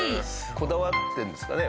こだわってるんですかね？